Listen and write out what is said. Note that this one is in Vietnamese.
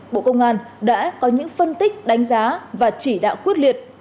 bộ công an đã có những phân tích đánh giá và chỉ đạo quyết liệt